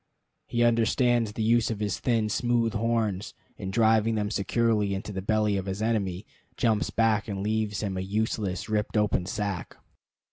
He understands the use of his thin, smooth horns, and, driving them securely into the belly of his enemy, jumps back and leaves him a useless, ripped open sack.